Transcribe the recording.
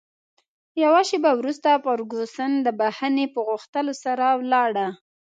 یوه شیبه وروسته فرګوسن د بښنې په غوښتلو سره ولاړه.